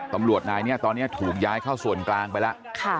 ตำรวจนายนี้ตอนนี้ถูกย้ายเข้าส่วนกลางไปแล้ว